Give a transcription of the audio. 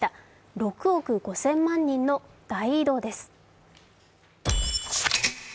６億５０００万人の大移動です。